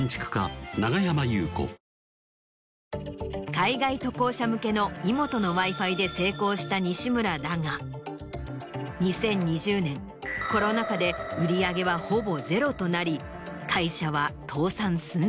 海外渡航者向けのイモトのＷｉＦｉで成功した西村だが２０２０年コロナ禍で売り上げはほぼゼロとなり会社は。